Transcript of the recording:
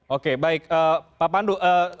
oke baik pak pandu